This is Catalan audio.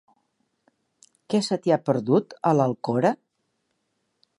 Què se t'hi ha perdut, a l'Alcora?